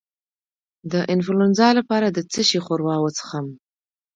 د انفلونزا لپاره د څه شي ښوروا وڅښم؟